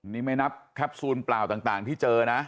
นี่ไม่นับแคปซูลเปล่าต่างที่เจอนะ